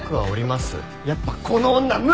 やっぱこの女無理！